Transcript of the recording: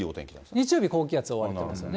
日曜日、高気圧に覆われてますよね。